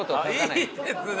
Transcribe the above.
いいですね！